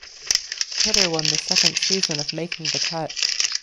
Pitter won the second season of "Making the Cut".